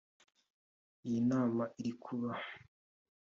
Iyi nama iri kuba